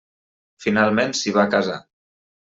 Finalment s'hi va casar.